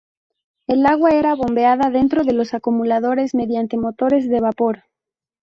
El agua era bombeada dentro de los acumuladores mediante motores de vapor.